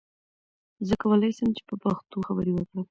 زه کولی سم چې په پښتو خبرې وکړم.